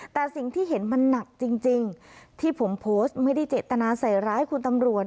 แต่สิ่งที่เห็นมันหนักจริงที่ผมโพสต์ไม่ได้เจตนาใส่ร้ายคุณตำรวจ